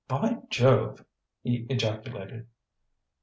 "By Jove!" he ejaculated.